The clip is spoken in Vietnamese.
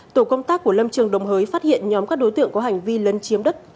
tổ công tác của lâm trường đồng hới phát hiện nhóm các đối tượng có hành vi lấn chiếm đất